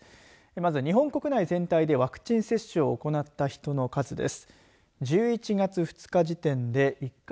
まず、日本国内全体でワクチン接種を行った人の数です。